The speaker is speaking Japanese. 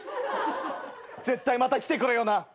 絶対また来てくれよな。